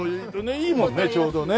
いいもんねちょうどね。